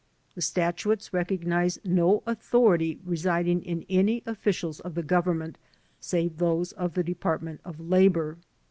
The statutes recognize no authority residing in any offi cials of the government save those of the Department of Labor.